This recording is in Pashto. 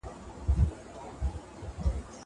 علم د نړۍ د تسخیر وسیله ده.